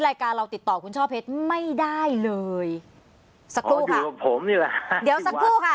รายการเราติดต่อคุณช่อเพชรไม่ได้เลยสักครู่ค่ะผมนี่แหละเดี๋ยวสักครู่ค่ะ